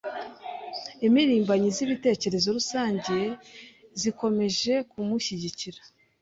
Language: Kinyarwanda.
Impirimbanyi z'ibitekerezo rusange zikomeje kumushyigikira.